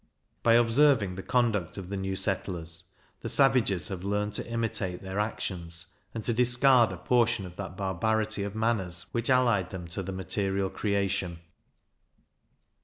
By observing the conduct of the new settlers, the savages have learned to imitate their actions, and to discard a portion of that barbarity of manners, which allied them to the material creation.